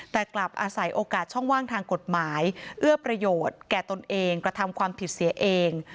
แต่กลับอาศัยโอกาสช่องว่างทางกฎหมายเอื้อประโยชน์แก่ตนเองกระทำความผิดเสียเอง